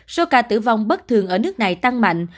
số ca tử vong bất thường ở nước này tăng mạnh